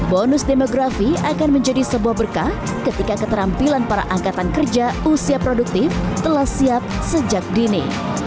bonus demografi akan menjadi sebuah berkah ketika keterampilan para angkatan kerja usia produktif telah siap sejak dini